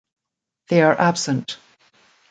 They are absent.